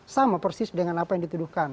sama persis dengan apa yang dituduhkan